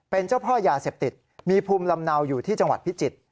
เป็นเจ้าพ่อยาเสพติดมีภูมิลำเนาอยู่ที่จังหวัดพิจิตร